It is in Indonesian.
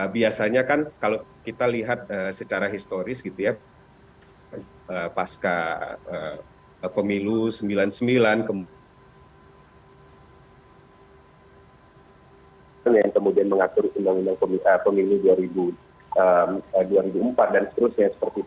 biasanya kan kalau kita lihat secara historis gitu ya pas ke pemilu sembilan puluh sembilan kemudian mengatur undang undang pemilu dua ribu empat dan seterusnya seperti itu